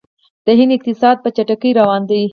د هند اقتصاد په چټکۍ روان دی.